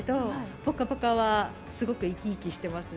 「ぽかぽか」はすごく生き生きしてますね。